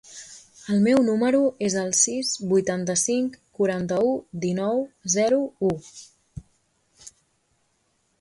El meu número es el sis, vuitanta-cinc, quaranta-u, dinou, zero, u.